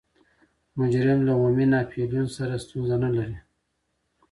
مجرم له عمومي ناپلیون سره ستونزه نلري.